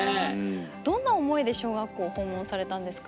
どんな思いで小学校を訪問されたんですか？